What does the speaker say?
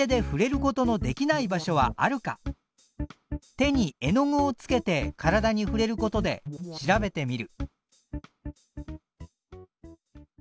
手に絵の具をつけて体に触れることで調べてみる。